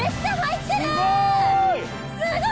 すごい！